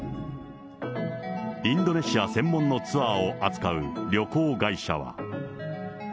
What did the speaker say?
インドネシア専門のツアーを扱う旅行会社は。